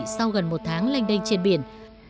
tàu thủy sau gần một tháng lanh đen trên biển